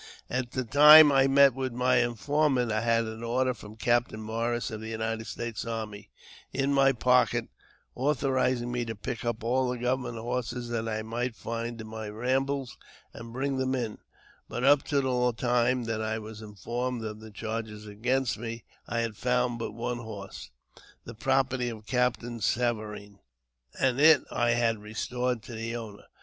At the time I met my informant, I had an order from Cap tain Morris, of the United States Army, in my pocket, authorizing me to pick up all the government horses that I might find in my rambles, and bring them in ; but up to the time that I was informed of the charges against me, I had JAMES P. BECKWOUBTH. 405 found but one horse, the property of Captain Saverine, and it I had restored to the owner.